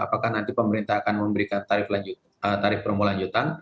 apakah nanti pemerintah akan memberikan tarif promo lanjutan